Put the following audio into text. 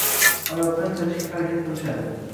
oyoqdan chalishga harakat qilishadi.